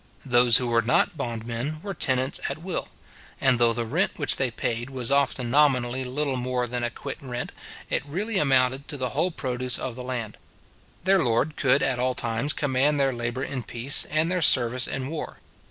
Those who were not bond men were tenants at will; and though the rent which they paid was often nominally little more than a quit rent, it really amounted to the whole produce of the land. Their lord could at all times command their labour in peace and their service in war.